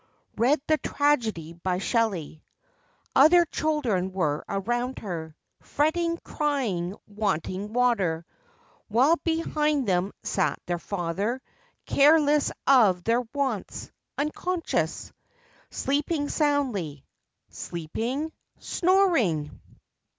(Read the tragedy by Shelly.) Other children were around her, Fretting, crying, wanting water; While behind them sat their father, Careless of their wants; unconscious; Sleeping soundly. Sleeping ? Snoring!